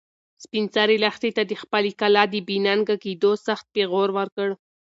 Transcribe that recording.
سپین سرې لښتې ته د خپلې کلا د بې ننګه کېدو سخت پېغور ورکړ.